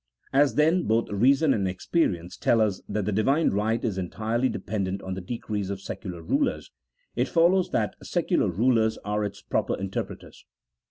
As, then, both reason and experience tell us that the Divine right is entirely dependent on the decrees of secular rulers, it follows that secular rulers are its proper inter preters.